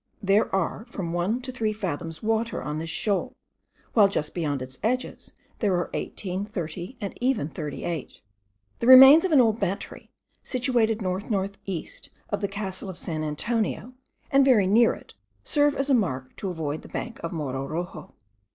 There are from one to three fathoms water on this shoal, while just beyond its edges there are eighteen, thirty, and even thirty eight. The remains of an old battery, situated north north east of the castle of San Antonio, and very near it, serve as a mark to avoid the bank of Morro Roxo.